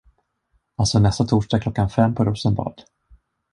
Alltså nästa torsdag klockan fem på Rosenbad.